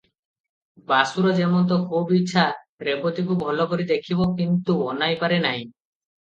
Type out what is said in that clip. ବାସୁର ଯେମନ୍ତ ଖୁବ୍ ଇଚ୍ଛା – ରେବତୀକୁ ଭଲକରି ଦେଖିବ; କିନ୍ତୁ ଅନାଇପାରେ ନାହିଁ ।